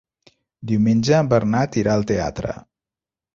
Diumenge en Bernat irà al teatre.